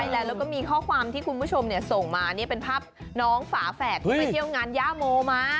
แล้วก็มีข้อความที่คุณผู้ชมส่งมาเป็นภาพน้องฝาแฝดที่ไปเที่ยวงานย่าโมมา